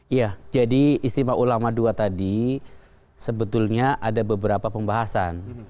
iya jadi istimewa ulama dua tadi sebetulnya ada beberapa pembahasan